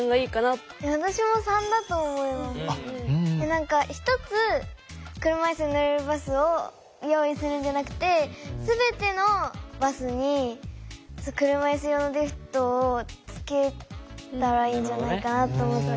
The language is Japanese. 何か１つ車いすに乗れるバスを用意するんじゃなくて全てのバスに車いす用のリフトをつけたらいいんじゃないかなと思って。